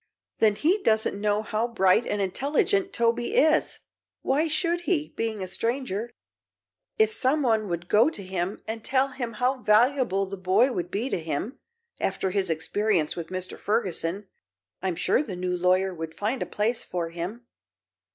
"Then he doesn't know how bright and intelligent Toby is. Why should he, being a stranger? If some one would go to him and tell him how valuable the boy would be to him, after his experience with Mr. Ferguson, I'm sure the new lawyer would find a place for him."